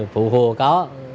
phụ hùa có